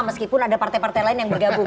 meskipun ada partai partai lain yang bergabung